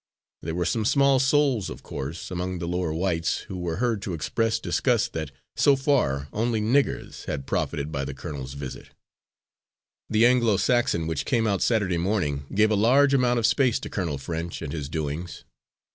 There were some small souls, of course, among the lower whites who were heard to express disgust that, so far, only "niggers" had profited by the colonel's visit. The Anglo Saxon, which came out Saturday morning, gave a large amount of space to Colonel French and his doings.